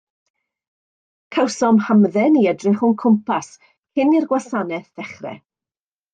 Cawsom hamdden i edrych o'n cwmpas cyn i'r gwasanaeth ddechrau.